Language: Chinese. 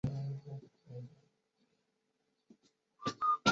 出生于北海道札幌市。